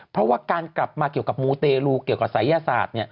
เพราะว่าการกลับมาเกี่ยวกับมูเตรลูเกี่ยวกับศัยศาสตร์